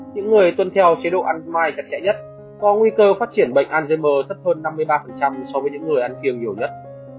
những người tuân theo chế độ ăn mite chắc chẽ nhất có nguy cơ phát triển bệnh alzheimer sắp hơn năm mươi ba so với những người ăn kiêng nhiều nhất